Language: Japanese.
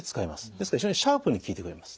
ですから非常にシャープに効いてくれます。